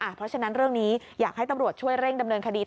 เพราะฉะนั้นเรื่องนี้อยากให้ตำรวจช่วยเร่งดำเนินคดี